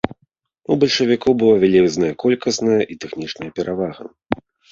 У бальшавікоў была вялізная колькасная і тэхнічная перавага.